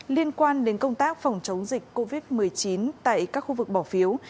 liên quan đến công tác phòng chống dịch covid một mươi chín tại các khu vực bỏ phiếu